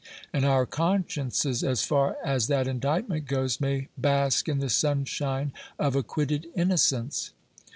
; and our consciences, as far as that indictment goes, may bask in the sunshine of acquitted innocence.